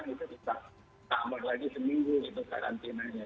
itu bisa tamat lagi seminggu itu karantinanya